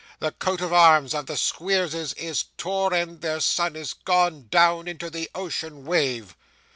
The coat of arms of the Squeerses is tore, and their sun is gone down into the ocean wave!